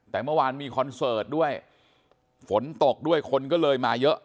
แต่เมื่อวานมีคอนเสิร์ตด้วยฝนตกด้วยคนก็เลยมาเยอะ